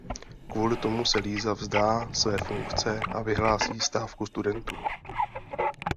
Kvůli tomu se Líza vzdá své funkce a vyhlásí stávku studentů.